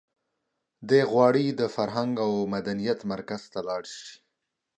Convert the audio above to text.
دی غواړي د فرهنګ او مدنیت مرکز ته ولاړ شي.